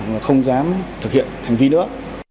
và không dám thực hiện hành vi nữa